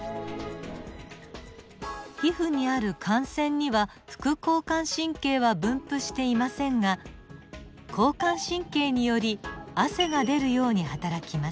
皮膚にある汗腺には副交感神経は分布していませんが交感神経により汗が出るようにはたらきます。